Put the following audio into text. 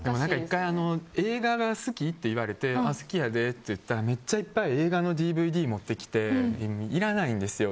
１回、映画が好き？って言われて好きやでって言ったらめっちゃいっぱい映画のＤＶＤ持ってきて、いらないんですよ。